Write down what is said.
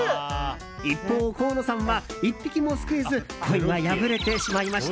一方、河野さんは１匹もすくえずポイが破れてしまいました。